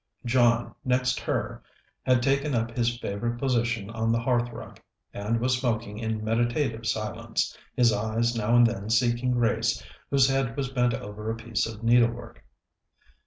John, next her, had taken up his favourite position on the hearthrug, and was smoking in meditative silence, his eyes now and then seeking Grace, whose head was bent over a piece of needlework.